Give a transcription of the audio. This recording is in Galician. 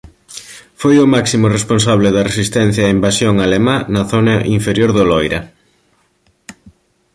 Foi o máximo responsable da resistencia á invasión alemá na zona inferior do Loira.